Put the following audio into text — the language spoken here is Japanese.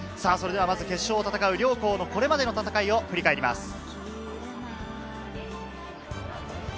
まず決勝を戦う両校のこれまでの戦いを振り返ります。